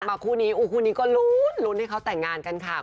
คู่นี้คู่นี้ก็ลุ้นลุ้นให้เขาแต่งงานกันค่ะ